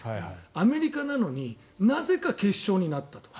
アメリカなのになぜか決勝になったと。